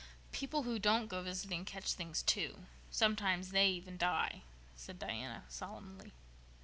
"People who don't go visiting catch things, too. Sometimes they even die," said Diana solemnly.